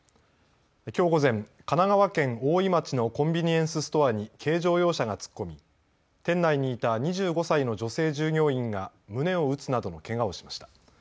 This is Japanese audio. きょう午前、神奈川県大井町のコンビニエンスストアに軽乗用車が突っ込み店内にいた２５歳の女性従業員が胸を打つなどのけがをしました。